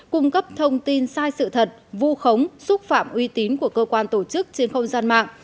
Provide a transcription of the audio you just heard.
cung cấp thông tin sai sự thật vu khống xúc phạm uy tín của cơ quan tổ chức trên không gian mạng